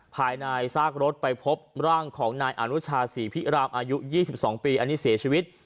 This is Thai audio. ภายในซากรถไปพบร่างของนายอนุชาศรีพิรามอายุ๒๒ปีอันนี้เสียชีวิต